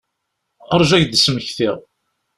Rju ad k-d-smektiɣ.